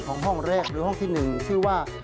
ห้องแรกหรือห้องที่๑ชื่อว่า